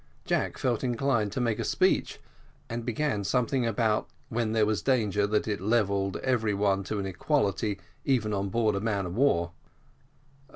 Jack felt inclined to make a speech, and began something about when there was danger that it levelled every one to an equality even on board of a man of war.